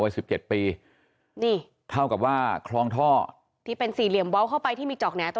วัยสิบเจ็ดปีนี่เท่ากับว่าที่เป็นสีเหลี่ยมเบาเข้าไปที่มีจอกเนี้ยตรงนั้น